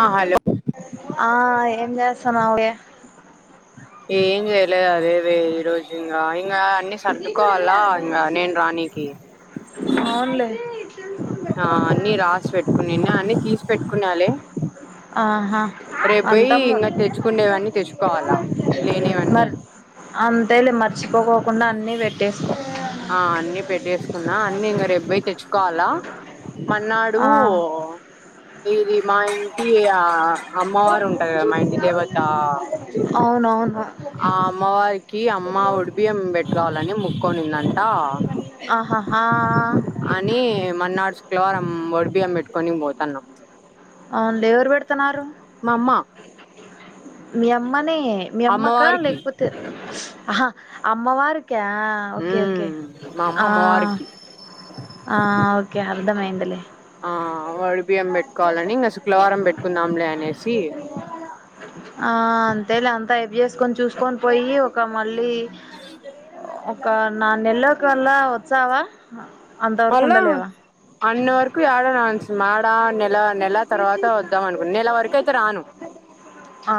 ఆ హలో ఆ ఏం చేస్తున్నావ్ వే ఏం చేయలేదు అదేది ఈరోజు ఇంగ ఇంగ అన్ని సర్దుకోవాల ఇంగ నేను రాణికి అవునులే ఆ అన్ని రాసి పెట్టుకునిన్న అన్ని తీసి పెట్టుకున్నలే ఆహా రేపుయి అంటము ఇంకా తెచ్చుకునేేవన్న తెచ్చుకోవాలా లేనివన్నీ అంతేలె మర్చిపోక ఉన్న అన్నీ పెట్టేసుకో న్నా అన్నీ ఇంకా రెబ్బొయి తెచ్చుకోవాలా మన్నాడు ఆ ఏది మా ఇంటి అ అమ్మవారు ఉంటారు కదా మా ఇంటి దేవత ఆ అవునవును ఆ అమ్మవారికి ఈ అమ్మ ఉడిబియం పెట్రావవాలని ముక్కొనిందంట ఆహాహా అని మన్నచ లోరా అవును లేవు తనారు మా అమ్మ మీయమ్మ అన్ని మీ అమ్మక అమ్మవారికి లేకపోతే ఆహా అమ్మవార్ కే అ ఓకే ఓకే ఉమ్ మా అమ్మ అమ్మవారికి ఓకే అ అర్థమైందలేే ఆ ఒడిబియ్యం పెట్టుకోవాలని ఇంగ శుక్రవారం పెట్టుకుందాంలే అనేసి ఆ అంతేలే అంత అయిపు తీసుకొని చూసుకొని పోయి ఒక ళ్ళి నా నెల్ల కల్లా వచ్చావా అంతవరకు అళ్లా ఉండలేవా అన్న వరకు ఎయాడా [unintelligible] మ్మ [inaudible] నెల నెల తర్వాత వద్దాంనుకు నెల వరకు అయితే రాను, ఆ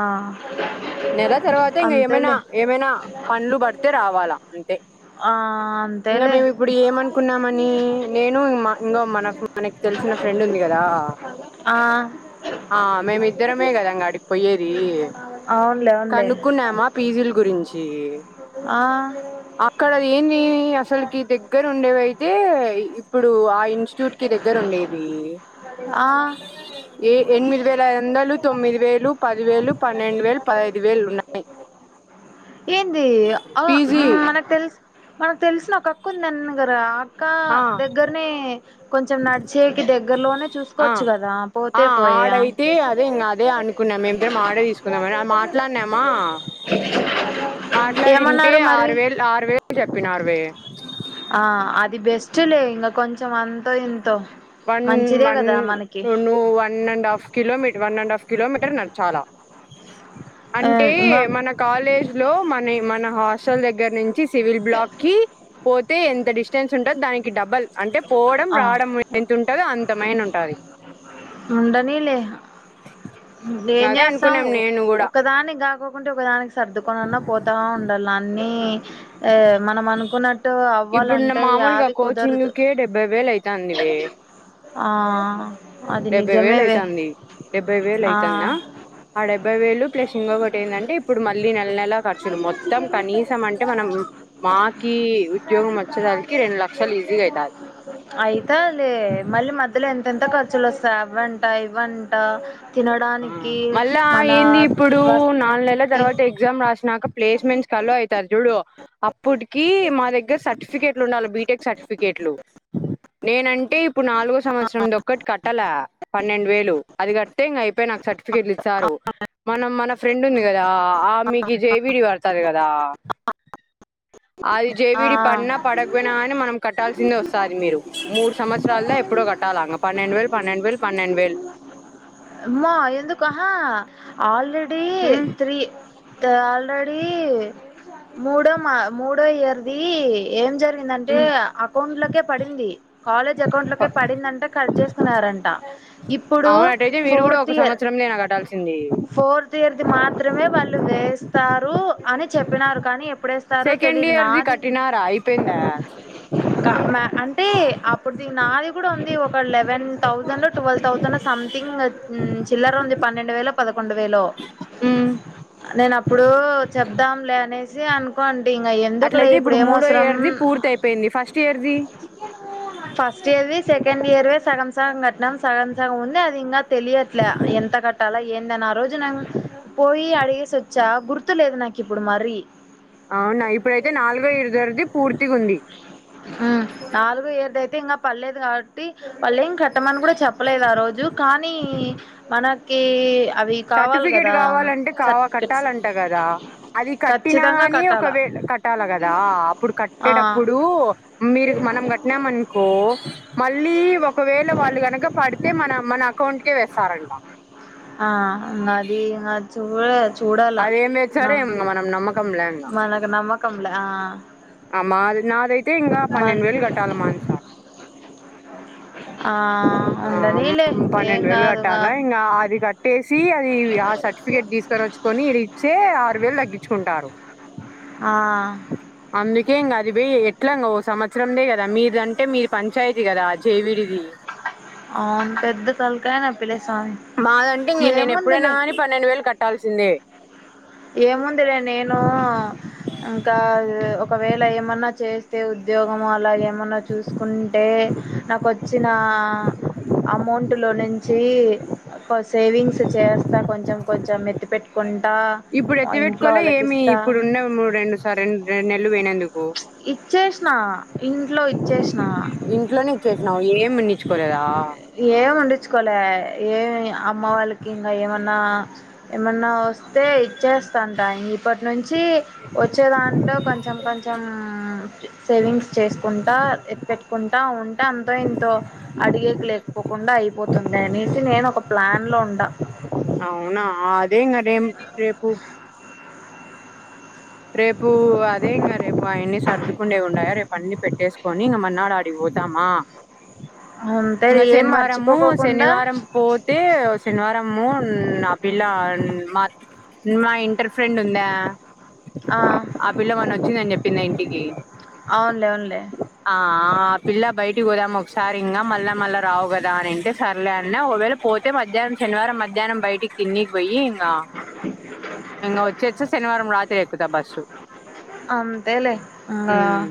నెల తర్వాత ఇం ఏమైనా అంతేలే ఏమైనా పనులు పడితే రావాలా అంటే ఆ ఇకా అంతేలే మేము ఇప్పుడు ఏమనుకున్నా అని నేను ఈ ఇంకా మన మనకి తెలిసిన ఫ్రెండ్ ఉంది కదా ఆ ఆ మేమిద్దరమే కదాంగాడికి పోయేది, అవునులే అవునులే కనుక్కున్నామా పీజిల గురించి, ఆ అక్కడది ఏంది అసలుకి దగ్గర ఉండేవి అయ్ [unintelligible] ఇప్పుడు ఆ ఇన్స్టిట్యూట్ కి దగ్గర ఉండేది, ఆ ఏ ఎనిమిది వేల ఐదు వందలు తొమ్మిది వేలు పది వేలు పన్నెండు వేలు పదహైదు వేలు ఉన్నాయి ఏంది ఆ పిజి మనకు తెలుసు మనకు తెలిసిన ఒక అక్క ఉందన్నగారా ఇంకా దగ్గరనే కొంచెం నడిచేకి దగ్గరలోనే ఆ చూసుకోవచ్చు కదా ఆ పోతే ఆ పోయా ఆడయితే అదే ఇంకా అదే అనుకున్నాం మేమిద్దరం ఆర్డర్ తీసుకుందామని అది మాట్లాడినామా, మాట్లాడింటే ఏమన్నారు మరి ఆరు వేలు ఆరు వేలు చెప్పినర్వే ఇది బెస్ట్లెఇంక కొంచం మొత్తం అంతా తింటావ్ one one one and half kilometre one and half kilometre నడ్ చాలా ఆ అంటే ఇంగ మన కాలేజ్ లో మని మన హాస్ట హాస్టల్ దగ్గర నుంచి సివిల్ బ్లాక్ కి పోతే ఎంత డిస్టెన్స్ డిస్టెన్స్ ఉంటాది దానికి డబల్ అంటే పోవడం రావడం నున్ ఉండని లే ఏం అదే చేస్తాం అనుకున్నాం నేను కూడా ఒకదానికి గాకోకుంటే ఒకదానికి సర్దుకొని అన్నా పోతా ఉండాల్ల అన్నీ ఏ మనం అనుకున్నట్టు ఇప్పుడు అవ్వాలంటే మామూలుగా యావి కోచింగ్ కుదరదు కే డెబ్బై డేబ్బే వెలు ఆవుతు ఇస్తందివే ఆ అది డెబ్బై వేలు నిజమేవే అయితంది డెబ్బై వేలు ఆ అయితంద ఆ డెబ్బై వేలు ప్లస్ ఇంకటి ఏంటంటే ఇప్పుడు మళ్ళీ నాక్ మనం మాకి ఉద్యోగం వచ్చేదానికి రెండు లక్షలు ఈజీగా అయితాది అయితాదిలే మళ్ళీ మధ్యలో ఎంత ఎంతంత ఖర్చులు వస్తాయి అవ్వంట ఇవ్వంట ఆ తినడానికి మళ్ళా మన ఏంది వర్క్ తర్వాత ఎగ్జామ్ నాకా ప్లేస్మెంట్స్ కి ఆలో అయితది చూడు అప్పుటికి మా దగ్గర సర్టిఫికెట్లు ఉండాలి బీటెక్ సర్టిఫికెట్లు నేనంటే ఇప్పు ఇప్పుడు నాలుగో సంవత్సరం దొక్కటి కట్టలా పన్నెండు వేలు అది గడితే ఇంగ ఐపో ఐపోయినక నాకు సర్టిఫికెట్లు ఇస్తారు మనం మన ఫ్రెండ్ ఉంది కదా ఆమెకు జే ఫీజు పడతది కదా అది ఆ జేవిడి పడినా పడకపోయినా కాని మనం కట్టాల్సిందే ఒకసారి మీరు మూడు సంవత్సరాలుల్లో ఎప్పుడో కట్టాలా ఇంక పన్నెండు వేలు పన్నెండు వేలు పన్నెండు వేలు అమ్మో ఎందుకు ఆహా ఆల్రెడి వేలు త్రీ త్వల్ హరి మూడో మా మూడో ఇయర్ది ఏం జెత్త ఇప్పుడు ఏందంటే అకౌంట్ లోకే పడింది కాలేజ్ అకౌంట్ లోకే పడిందంటే కట్ చేసుకున్నారంట ఇప్పుడు అవును అటైతే మీరు కూడా ఫోర్త్ ఒక ఇయర్ సంవత్సరంనేనా కట్టాల్సింది ఫోర్త్ ఇయర్ ది మాత్రమే వాళ్ళు వేస్తారు అని చెప్పినారు కానీ ఎప్పుడు సరో సెకండ్ తెలీదు ఇయర్ది నాది కట్టినారా అయిపోయిందా క మా అంటే అప్పుడు నాది కూడా ఉంది ఒక లే seven thousand twelve thousand something చిల్లర ఉంది పన్నెండు వేల పదక వేలో ఉమ్ నేన అప్పుడు చెబదాంలే అనేసి అను కోన్ ఎందుకులే అట్లయితే ఇప్పుడు మూడో ఏమోసరం ఇయర్ది పూర్తి అయిపోయింది ఫస్ట్ ఇయర్ది ఫస్ట్ ఇయర్వి సెకండ్ ఇయరర్ సగం సగం కట్టినం సగం సగం ఉంది అది ఇంగా తెలియట్లే ఎంత కట్టాలా ఏందని ఆ రోజు న పోయి అడిగేసి వచ్చా గుర్తులేదు నాకు ఇప్పుడు మరి అవునా ఇప్పుడైతే నాలుగో ఇరదరది పూర్తిగా ఉంది హ నాలుగు ఎర్దైతే ఇంగ పడలేదు కాబట్టి వాళ్ళ ఏం కట్టమని కూడా చెప్పలేదు ఆ రోజు కానీ మనకి అవి కావాలి సర్టిఫికేట్ కదా కావాలంటే కావా సర్టిఫికెట్స్ కట్టాలంట కదా అది కట్టినా ఖచ్చితంగా కానీ కట్టాలా ఒకవే కట్టాల కదా అప్పుడు ఆ కట్టేటప్పుడు కు మీరూ మనం కట్టినామనుకో మళ్ళీ ఒకవేళ వాళ్ళు కనక పడితే మన మన ట్ కే వెసారంట ఆ అంగది సూరజ్ అది ఏమి ఏచ్చారో ఏం మనం నమ్మకం ల్యా ఇంగా క్కం లా ఆ అ మాద్ నాదైతే ఇంకా మ పన్నెండు వేలు కట్టాలమాంచ ఆ ఉండనీలే ఏంగాదుగా ట్టేసి అది ఆ సర్టిఫికెట్ తీసుకొని వచ్చుకొని ఇ ఇచ్చే ఆరు వేలు తగ్గించుకుంటారు ఆ ఎం గాద్ అది బీ ఎట్లంగా ఓ సంవత్సరందే కదా మీరు అంటే మీరు పంచాయతీ కదా జేవిీడి అవున్ పెద్ద తల్ మాదంటే ఇంగ నేను ఎప్పుడైనా ఏముందిలే కానీ పన్నెండు వేలు కట్టాల్సిందే ఏముంది లె నేనూ ఇంకా ఒకవేళ ఏమన్నా చేస్తే ఉద్యోగం అలాగేమన్నా చూసుకుంటే నాకు వచ్చినా అమౌంట్ లో నుంచి కొ సేవింగ్స్ చేస్తా కొంచెం కొంచెం ఎత్తిపెట్టుకుంటా ఇప్పుడు ఎత్తి పెట్టుకోలే ఏమీ ఇప్పుడు ఉన్న ము రెండు సార్ రెండ్ రెండ్ నెల్లు పోయినందు ఇచ్చేస్సెన్న ఇంట్లో ఇచ్చేస్సిన్న ఏమనీ ఏం ఉండించుకోలే ఏవి అమ్మ వాళ్ళకి ఇంగా ఏమన్నా ఏమన్నా వస్తే ఇచ్చేస్తంట ఇం ఇప్పటి నుంచి వచ్చే దాంట్లో కొంచెం కొంచెం సేవింగ్స్ చేసుకుంటా పెట్టుకుంటా ఉంట అంతో ఇంతో అడిగేకి లేకపోకుండా అయిపోతుంది అనేసి నేను ఒక ప్లాన్లో ఉండ అవునా దేంగా దేం రేపు రేపు అదే ఇంగ రేపు ఆయన్ని సర్దుకుండే ఉండాయా రేపు అన్ని పెట్టేసు కొని ఇంగ మన్నాడు ఆడికి పోతమా అంతే ఇంగ ఏం శనివారము మర్చిపోకోకుండా శనివారం పోతే శనివారము నా పిల్ల మాత్ మా ఇంటర్ ఫ్రెండ్ ఉందా ఆ ఆ పిల్ల మన వచ్చిందన్ చె పినఇంటికి అవున్లే అవున్లె ఆ పిల్ల బయటకి పోదాం. ఒకసారి ఇంగా మళ్ళా మళ్ళా రావు కదా అని అంటే సర్లె అన్న ఒకవేళ పోతే మధ్యాహ్నం శనివారం మధ్యాహ్నం బయటికి తిన్నికి పోయి ఇంగా ఇంగా వచ్చేచ్చె శనివారం రాత్రి ఎక్కుతా బస్సు అంతేలే ఇంగా మ్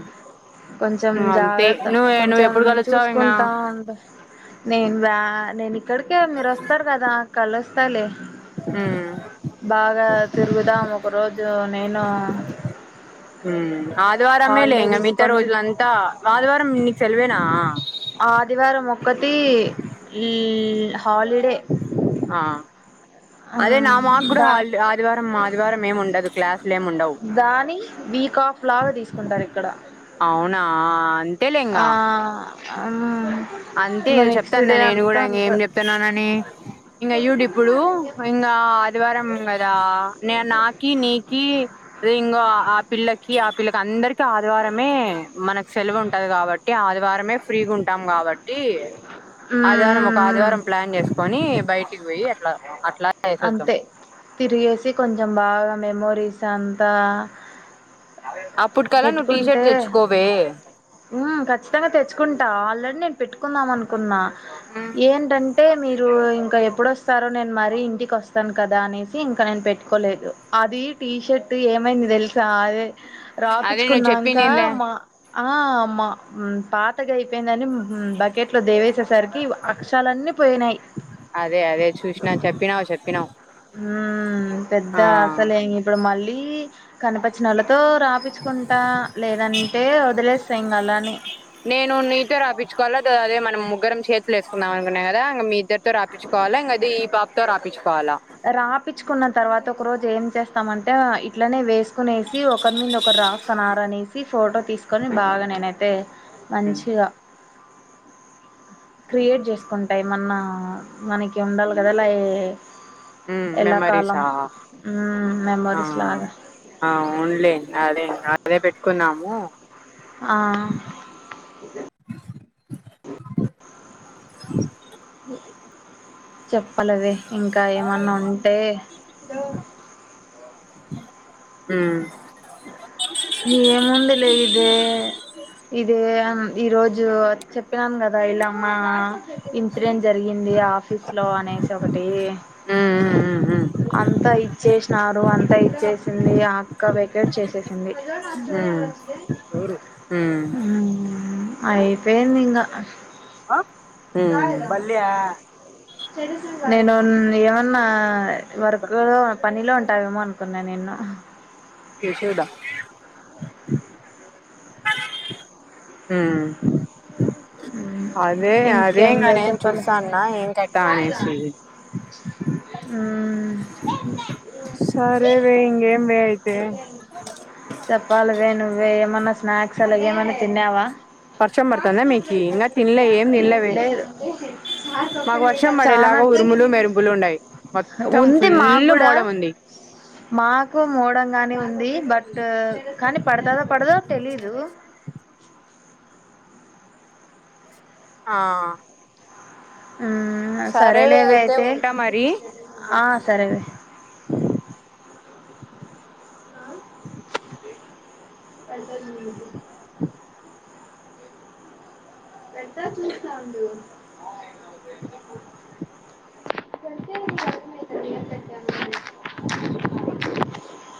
కొంచెం అంతే జాగ్రత్త నువ్వే నువ్వు కొంచెం ఎప్పుడు కలుస్తావు ఇంగ చూసుకుంటా ఉండు నేను వ్య నేను ఇక్కడికే మీరు వస్తారు కదా కలుస్తాలే ఉమ్ బాగా తిరుగుదాం ఒక రోజు నేను హుమ్మ్ ఆదివారమేలే హాలిడే ఇంగ మిగతా తీసుకొని రోజులంతా ఆదివారం నికు సెలవేనా ఆదివారం ఒక్కటి ల్ల్ హాలిడే ఆ అదే నా మాకు కూడా దా హ ఆదివారం ఆదివారం ఏమి ఉండదు. క్లాసులు ఏమి ఉండవు. దాని వీక్ ఆఫ్ లాగా తీసుకుంటారు ఇక్కడ అవునా అంతేలే ఇంగ అమ్ అంతే చెప్తాన నేను కూడా ఇంక ఏం ఉంటారు చెప్తున్నానని ఇంకా య్యూడ్ ఇప్పుడు ఇంగా ఆదివారం కదా నే నాకి నీకి అదె ఇంగొ ఆ పిల్లకి పిల్లకి అందరికి ఆదివారమే మనకు సెలవు ఉంటది. కాబట్టి ఆదివారమే ఫ్రీగా ఉంటాం కాబట్ కి ఆదివారం ఒక ఆదివారం ప్లాన్ చేసుకొని బయటికి పోయి అట్లా అట్లా వేసేద్దాం అంతే తిరిగేసి కొంచెం బాగా మెమోరీస్ చాంతా అప్పటికల్లా నువ్వు పెట్టుకుంటే టీషర్ట్ తెచ్చుకోవే హు ఖచ్చితంగా తెచ్చుకుంటా ఆల్రెడీ నేను పెట్టుకు కుందాం అనుకున్నా ఏన్ రం అంటే మీరు ఇంకా ఎప్పుడు వస్తారో నేను మరి ఇంటికి వస్తాను కదా అనేసి ఇంకా నేను పెట్టుకోలేదు అది టీషర్ట్ ఏమైంది తెలిస సారే అదే నువ్వు రాపిచ్చుకున్నాంక చెప్పినిందే మా ఆ అమ్మా ఉ పాతగా అయ్ పెయిందండి హు బకెట్లో దేవేసేసరికి అక్షాలన్నీ పోయినాయి అదే అదే చూసినా చెప్పినావు చెప్పినావు ఉమ్ పెద్ద ఆ అసలే ఇంగ ఇప్పుడు మళ్ళీ కి కనపచ్చినల తో రాపిచ్చుకుంటా లేదంటే వదిలేస్తా ఇంగా అలానే ముగ్గరం చేతులు వేసుకుందాం అనుకున్నాం కదా ఇక మీ ఇద్దరు రాపిచ్చుకోవాలా రాపిచ్చుకున్న తర్వాత ఒక రోజు ఏం చేస్తామంటే ఇట్లనే వేసుకునేసి ఒకరి మీద ఒకరు రాస్తున్నారు అనేసి ఫోటో తీసుకొని బాగా నేనైతే మంచిగా క్రియేట్ చేసుకుంటాయి ఏమన్న మనకి ఉండాలి కదా ఇలాయ్ ఉమ్ మెమరీసా మ్మ్ ఆ మెమోరీస్ లాగా అవునులే అదేం అదే పెట్టుకున్నాము ఆ చెప్పలేదే ఇంకా ఏమన్నా ఉంటే ఉమ్ ఏముందిలే ఈ రోజు చెప్పినాను కదా ఇల్లాం ఆ ఇన్సిడెంట్ జరిగింది ఆఫీస్ లో అనేసి ఒకటి ఉమ్ ఉమ్ ఉమ్ అంతా ఇచ్చేసినారు అంత ఇచ్చేసింది అక్క వే రేట్ చేసే ఎవరు అయ్ పేందింగా ఉమ్ నేను ఏమన్నా వర్కు లో పనిలో ఉంట అంటావేమో అనుకున్న నిన్ను విషూడా ఊ మ్మ్. అదే అదే ఇంకేం ఇంక వే నేను చెప్పాలి చూసా అన్న ఏం కథా అనేసి మ్మ్. సరేలే ఇంకేం చెప్పాలివే నువ్వే మన స్నాక్స్ అలాగ ఏమైన్నా తిన్నావా వర్షం పడుతుందా మీకి ఇంగా తిన్లే ఏం తిన్లేవే మాకు వర్షం పడేలాగా ఉరుములు మెరుపులు ఉండయి మొత్తం ఉంది మాకు ఫుల్ కూడా మోడం ఉంది మాకు మూడంగాని ఉంది బట్ కానీ పడతదో పడదో తెలీదు ఆ సరేవే సరేలేవే అయితే ఉంటా మరి ఆ సరేలే ఉంటంది పెద్ద చూస్తా ఉండు ఏం పెట్టామండి